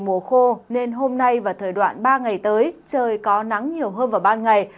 mùa khô nên hôm nay và thời đoạn ba ngày tới trời có nắng nhiều hơn vào ban ngày